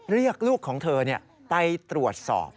และลูกของเธอใต้ตรวจสอบ